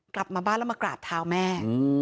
กลับมาบ้านแล้วมากราบเท้าแม่